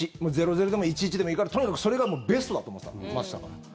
０−０でも１−１でもいいからとにかくそれがベストだと思っていましたから。